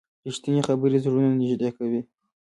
رښتیني خبرې زړونه نږدې کوي.